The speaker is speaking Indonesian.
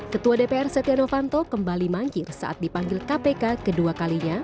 ketua dpr setia novanto kembali mangkir saat dipanggil kpk kedua kalinya